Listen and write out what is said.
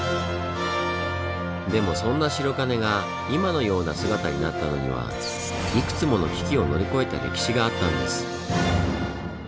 でもそんな白金が今のような姿になったのにはいくつもの危機を乗り越えた歴史があったんです。